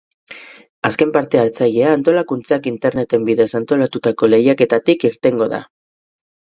Azken parte-hartzailea antolakuntzak internet bidez antolatutako lehiaketatik irtengo da.